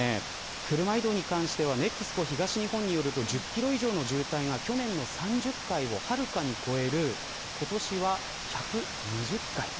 車移動に関してはＮＥＸＣＯ東日本によると１０キロ以上の渋滞が去年の３０回をはるかに超える今年は、１２０回。